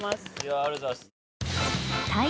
ありがとうございます。